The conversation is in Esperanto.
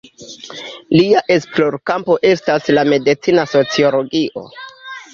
Lia esplorkampo estas la medicina sociologio.